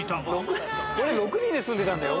６人で住んでたんだよ